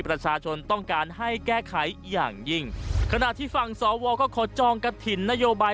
ประชาชนต้องการให้แก้ไขอย่างยิ่งขณะที่ฝั่งสวก็ขอจองกระถิ่นนโยบาย